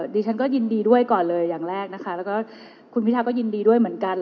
ดิฉันก็ยินดีด้วยก่อนเลยอย่างแรกนะคะแล้วก็คุณพิทาก็ยินดีด้วยเหมือนกัน